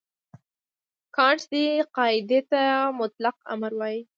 کانټ دې قاعدې ته مطلق امر وايي.